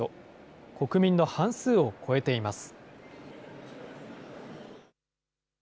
国民の半数を超えています。